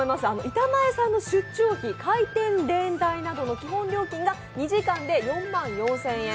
板前さんの出張費、回転レーン代が基本料金が２時間で４万４０００円。